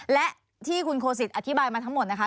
และที่คุณโคสิตอธิบายมาทั้งหมดนะคะ